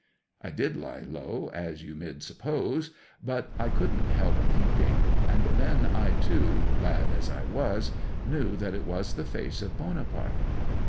'I did lie low, as you mid suppose. But I couldn't help peeping. And then I too, lad as I was, knew that it was the face of Bonaparte.